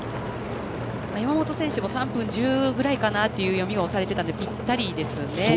山本選手３分１０ぐらいかなという読みをされてたのでぴったりですね。